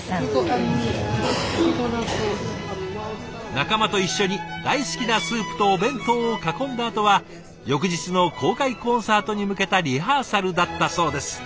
仲間と一緒に大好きなスープとお弁当を囲んだあとは翌日の公開コンサートに向けたリハーサルだったそうです。